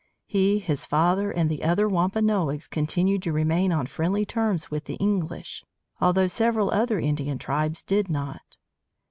He, his father, and the other Wampanoags continued to remain on friendly terms with the English, although several other Indian tribes did not.